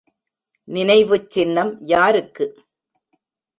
நினைவுச் சின்னம் யாருக்கு?